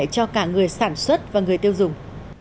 cho cả người sản xuất và người tiêu dùng